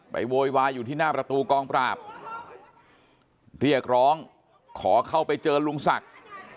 โวยวายอยู่ที่หน้าประตูกองปราบเรียกร้องขอเข้าไปเจอลุงศักดิ์